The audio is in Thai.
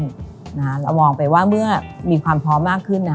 เรามองไปว่าเมื่อมีความพร้อมมากขึ้นนะ